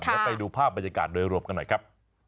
แล้วไปดูภาพบรรยากาศโดยรวมกันหน่อยครับ